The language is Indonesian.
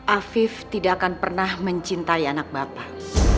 afif tidak akan pernah mencintai anak bapak